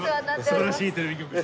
素晴らしいテレビ局で。